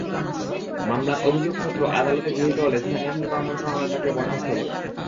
মামলার অভিযোগপত্র আদালতে গৃহীত হলে স্থানীয় সরকার মন্ত্রণালয় তাঁকে বরখাস্ত করে।